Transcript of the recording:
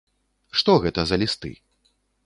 Што гэта за лісты?